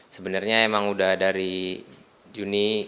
sebenarnya emang udah dari juni